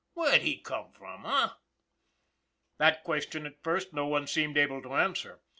Where'd he come from, h'm?" That question, at first, no one seemed able to answer.